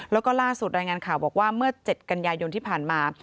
แล้วก็ล่าสุดรายงานข่าวบอกว่าเมื่อ๗กันยายนที่ผ่านมา